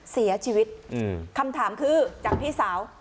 เสียชีวิตคำถามคือจากพี่สาว